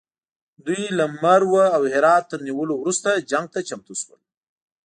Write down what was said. دوی له مرو او هرات تر نیولو وروسته جنګ ته چمتو شول.